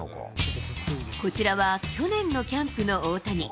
こちらは去年のキャンプの大谷。